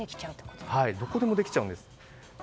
どこでもできちゃうんです。